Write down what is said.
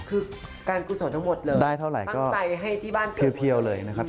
คือการกุศลทั้งหมดเลยตั้งใจให้ที่บ้านเกิด